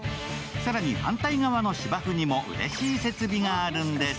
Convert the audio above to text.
更に反対側の芝生にもうれしい設備があるんです。